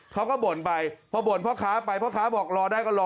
บ่นไปพอบ่นพ่อค้าไปพ่อค้าบอกรอได้ก็รอ